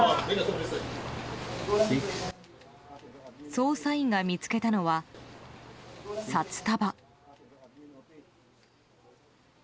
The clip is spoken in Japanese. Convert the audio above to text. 捜査員が見つけたのは札束。